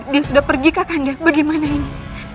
dia sudah pergi kakanda bagaimana ini